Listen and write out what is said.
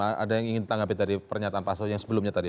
ada yang ingin tanggapi dari pernyataan pak so yang sebelumnya tadi